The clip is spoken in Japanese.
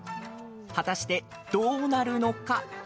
果たして、どうなるのか？